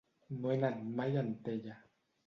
No he anat mai a Antella.